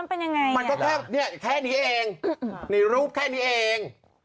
เป็นรูปแค่นี้เอง